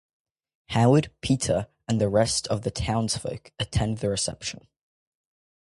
Howard, Peter and the rest of the townsfolk attend the reception.